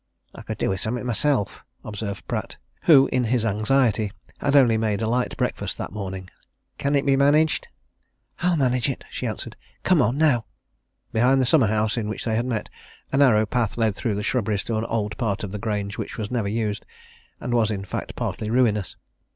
"I could do with something myself," observed Pratt, who, in his anxiety, had only made a light breakfast that morning. "Can it be managed?" "I'll manage it," she answered. "Come on now." Behind the summer house in which they had met a narrow path led through the shrubberies to an old part of the Grange which was never used, and was, in fact, partly ruinous.